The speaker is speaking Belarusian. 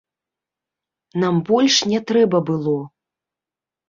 Нам больш не трэба было.